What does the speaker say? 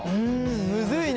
むずいね。